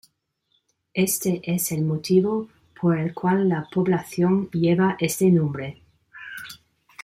Este es el motivo por el cual la población lleva este nombre.